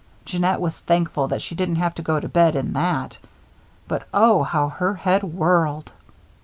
Jeannette was thankful that she didn't have to go to bed in that; but oh, how her head whirled!